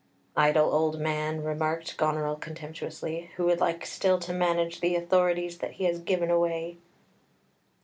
"Idle old man," remarked Goneril contemptuously, "who would like still to manage the authorities that he has given away."